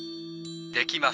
できます。